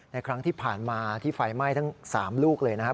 ครั้งที่ผ่านมาที่ไฟไหม้ทั้ง๓ลูกเลยนะครับ